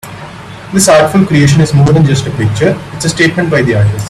This artful creation is more than just a picture, it's a statement by the artist.